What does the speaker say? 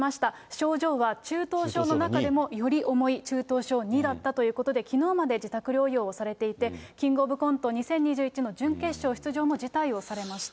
症状は中等症の中でもより重い中等症２だったということで、きのうまで自宅療養をされていて、キングオブコント２０２１の準決勝出場も辞退をされました。